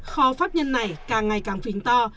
kho pháp nhân này càng ngày càng phính to